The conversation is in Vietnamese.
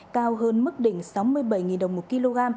cao hơn mức đỉnh sáu mươi bảy đồng một kg